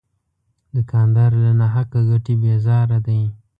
دوکاندار له ناحقه ګټې بیزاره دی.